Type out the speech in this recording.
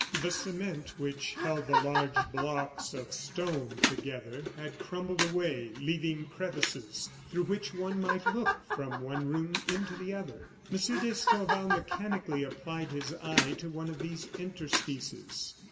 The cement which held the large blocks of stone together had crumbled away, leaving crevices through which one might look from one room into the other. M. d'Escorval mechanically applied his eye to one of these interstices.